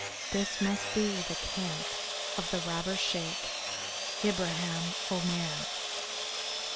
This must be the camp of the robber Sheik, Ibraheim Omair.